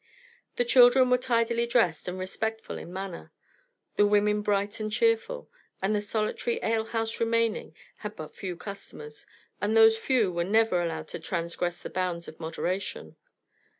The children were tidily dressed and respectful in manner, the women bright and cheerful, and the solitary alehouse remaining had but few customers, and those few were never allowed to transgress the bounds of moderation.